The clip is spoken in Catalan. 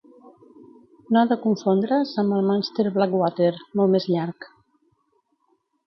No ha de confondre's amb el Munster Blackwater, molt més llarg.